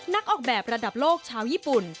นักออกแบบระดับโลกชาวญี่ปุ่น